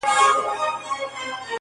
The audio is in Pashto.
په زګېروي لېوه ورږغ کړله چي وروره-